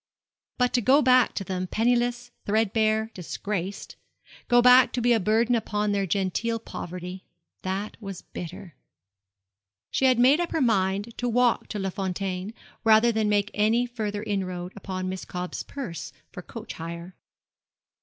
But to go back to them penniless, threadbare, disgraced go back to be a burden upon their genteel poverty. That was bitter. She had made up her mind to walk to Les Fontaines rather than make any further inroad upon Miss Cobb's purse for coach hire.